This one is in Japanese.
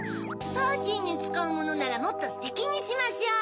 パーティーにつかうものならもっとステキにしましょう。